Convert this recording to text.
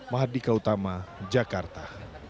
mahat dika utama jakarta